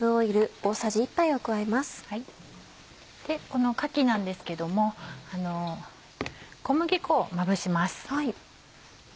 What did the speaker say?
このかきなんですけども小麦粉をまぶします。